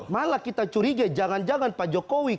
malah kita curiga jangan jangan pak jokowi